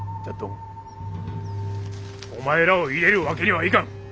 じゃっどんお前らを入れるわけにはいかん。